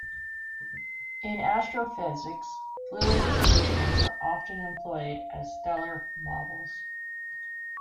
In astrophysics, fluid solutions are often employed as stellar models.